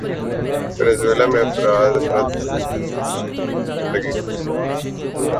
Venezuela میں افراط زر کی شرح بڑھ کر ریکارڈ فیصد پر